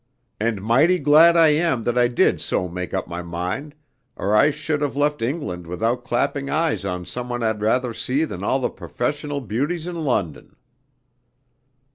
And mighty glad I am that I did so make up my mind, or I should have left England without clapping eyes on someone I'd rather see than all the professional beauties in London."